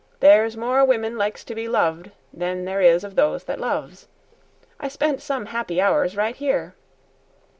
There's more women likes to be loved than there is of those that loves. I spent some happy hours right here.